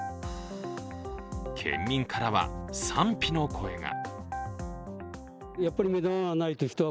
県民からは賛否の声が。